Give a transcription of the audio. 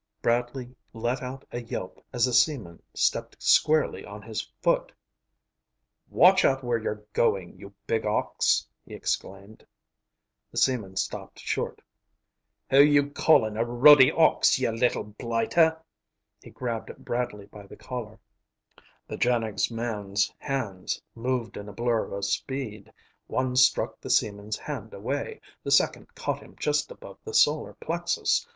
Bradley let out a yelp as the seaman stepped squarely on his foot. "Watch out where you're going, you big ox!" he exclaimed. The seaman stopped short. "Who you callin' a ruddy ox, you little blighter?" He grabbed Bradley by the collar. The JANIG man's hands moved in a blur of speed. One struck the seaman's hand away. The second caught him just above the solar plexus.